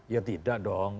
ya tidak dong